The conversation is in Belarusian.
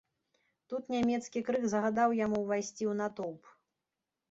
Тут нямецкі крык загадаў яму ўвайсці ў натоўп.